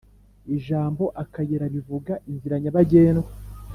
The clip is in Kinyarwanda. Ijambo "akayira" bivuga inzira nyabagendwa